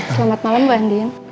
selamat malam mbak andin